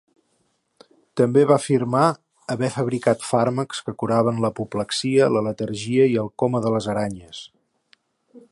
També va afirmar haver fabricat fàrmacs que curaven l"apoplexia, la letargia i el coma de les aranyes.